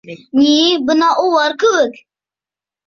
— Ни, бына улар кеүек!..